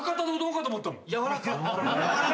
やわらか。